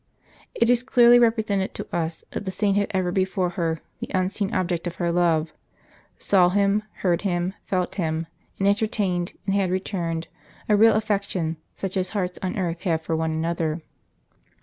It is clearly represented to us, that the saint had ever before her the unseen Object of her love, saw Him, heard Him, felt Him, and entertained, and had returned, a real affection, such as hearts on earth have for one another.